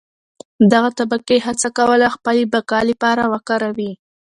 دغه طبقې هڅه کوله خپلې بقا لپاره وکاروي.